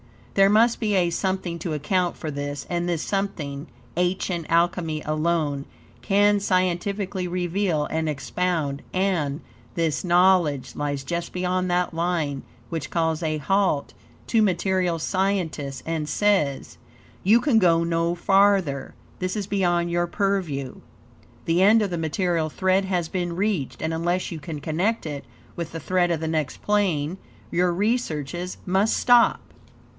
There must be a something to account for this, and this something, ancient Alchemy alone can scientifically reveal and expound; and, this knowledge lies just beyond that line which calls a halt to material scientists, and says: "You can go no farther; this is beyond your purview. The end of the material thread has been reached, and unless you can connect it with the thread of the next plane, your researches must stop."